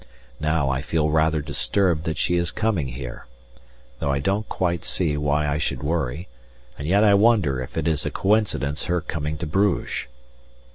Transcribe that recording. Now, I feel rather disturbed that she is coming here, though I don't quite see why I should worry, and yet I wonder if it is a coincidence her coming to Bruges?